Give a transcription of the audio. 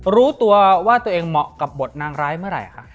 รู้ตัวว่าตัวเองเหมาะกับบทนางร้ายเมื่อไหร่คะ